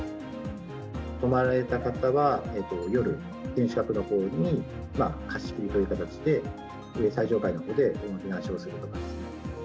泊まられた方は、夜、天守閣のほうに、貸し切りという形で、最上階のほうでおもてなしをするということですね。